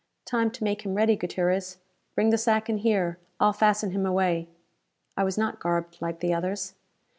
"Time to make him ready, Gutierrez. Bring the sack in here. I'll fasten him away." I was not garbed like the others.